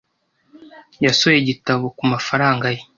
Yasohoye igitabo ku mafaranga ye.